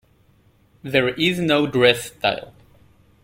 There is no dress style.